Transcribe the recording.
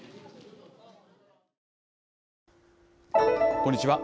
こんにちは。